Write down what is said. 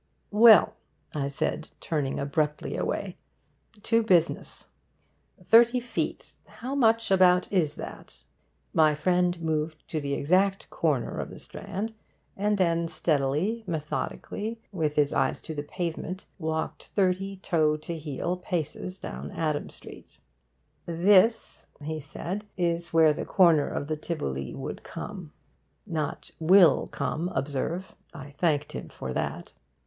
'Well,' I said, turning abruptly away, 'to business! Thirty feet how much, about, is that? My friend moved to the exact corner of the Strand, and then, steadily, methodically, with his eyes to the pavement, walked thirty toe to heal paces down Adam Street. 'This,' he said, 'is where the corner of the Tivoli would come' not 'will come,' observe; I thanked him for that.